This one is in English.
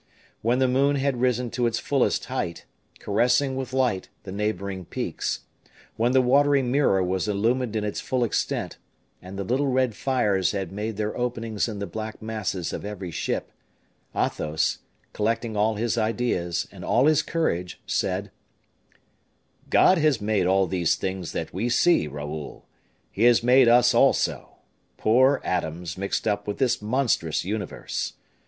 When the moon had risen to its fullest height, caressing with light the neighboring peaks, when the watery mirror was illumined in its full extent, and the little red fires had made their openings in the black masses of every ship, Athos, collecting all his ideas and all his courage, said: "God has made all these things that we see, Raoul; He has made us also, poor atoms mixed up with this monstrous universe.